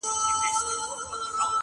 چي يو ځل يوه ماشوم ږغ كړه په زوره-